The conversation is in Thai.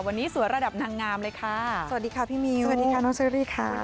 วันนี้สวยระดับนางงามเลยค่ะสวัสดีค่ะพี่มิวสวัสดีค่ะน้องเชอรี่ค่ะ